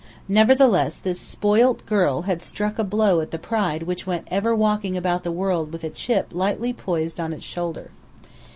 Nevertheless this spoilt girl had struck a blow at the pride which went ever walking about the world with a chip lightly poised on its shoulder.